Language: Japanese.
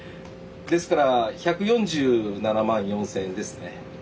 ですから１４７万４，０００円ですね。